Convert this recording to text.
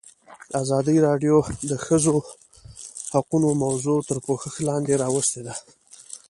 ازادي راډیو د د ښځو حقونه موضوع تر پوښښ لاندې راوستې.